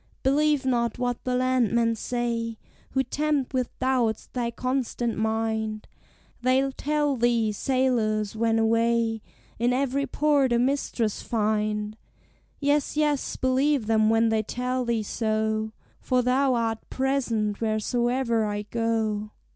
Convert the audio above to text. "Believe not what the landmen say Who tempt with doubts thy constant mind; They'll tell thee, sailors, when away, In every port a mistress find; Yes, yes, believe them when they tell thee so, For thou art present wheresoe'er I go.